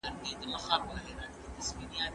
دې چي ول ميلمانه به بالا ستړي وي باره هغوی تازه ول